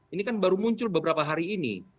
ini kan baru muncul beberapa hari ini